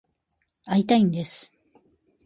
会いたいんです。